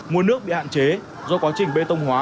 nguồn nước bị hạn chế do quá trình bê tông hóa